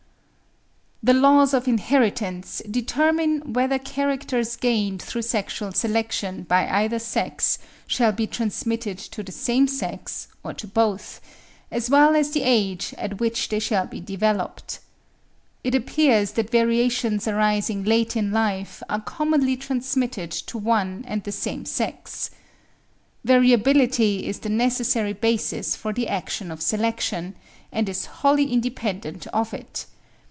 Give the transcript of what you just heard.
The laws of inheritance determine whether characters gained through sexual selection by either sex shall be transmitted to the same sex, or to both; as well as the age at which they shall be developed. It appears that variations arising late in life are commonly transmitted to one and the same sex. Variability is the necessary basis for the action of selection, and is wholly independent of it.